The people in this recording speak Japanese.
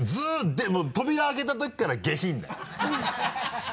もう扉開けたときから下品だよ！